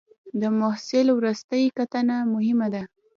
د محصول وروستۍ کتنه مهمه ده.